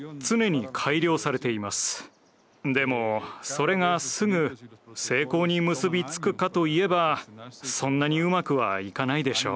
でもそれがすぐ成功に結び付くかといえばそんなにうまくはいかないでしょう。